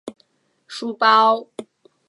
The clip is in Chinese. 书包